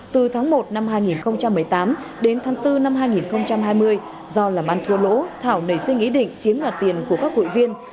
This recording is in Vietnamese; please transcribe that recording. từ tháng một năm hai nghìn một mươi tám đến tháng bốn năm hai nghìn hai mươi do làm ăn thua lỗ thảo nảy sinh ý định chiếm đoạt tiền của các hội viên